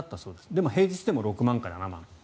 でも平日でも６万円から７万円。